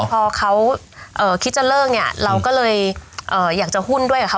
พอเขาคิดจะเลิกเนี่ยเราก็เลยอยากจะหุ้นด้วยกับเขา